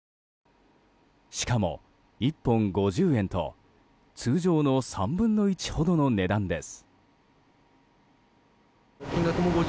しかも１本５０円と通常の３分の１ほどの値段です。